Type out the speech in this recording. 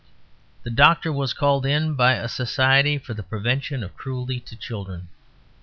The doctor was called in by a Society for the Prevention of Cruelty to Children.